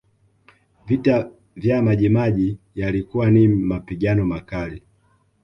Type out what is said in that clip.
Vita vya Maji Maji yalikuwa ni mapigano makali